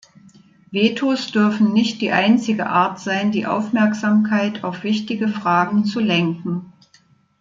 Vetos dürfen nicht die einzige Art sein, die Aufmerksamkeit auf wichtige Fragen zu lenken.